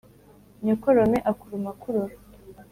Nyokorome akuruma akurora.